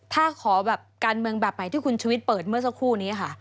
ถ้าขอแบบการเมืองแบบใหม่ที่คุณชวิตเปิดเมื่อสักครู่นี้ค่ะ